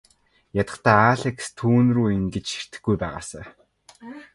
Ядахдаа Алекс түүнрүү ингэж ширтэхгүй байгаасай.